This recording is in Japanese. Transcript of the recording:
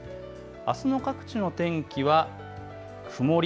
あすの各地の天気は曇り。